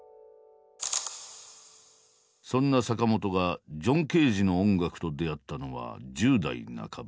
そんな坂本がジョン・ケージの音楽と出会ったのは１０代半ば。